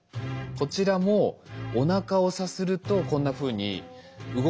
こちらもおなかをさするとこんなふうに動かなくなる。